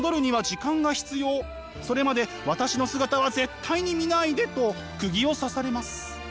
それまで私の姿は絶対に見ないで」とくぎを刺されます。